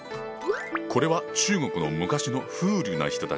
これは中国の昔の風流な人たちを描いた絵。